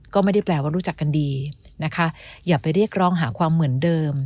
ก็ไม่ได้แปลว่ารู้จักกันดีนะคะอย่าไปเรียกร้องหาความเหมือนเดิม